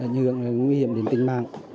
nhường nguy hiểm đến tình mạng